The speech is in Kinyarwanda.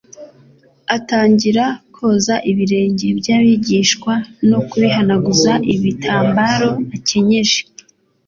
atangira koza ibirenge by'abigishwa no kubihanaguza igitambaro akenyeje.»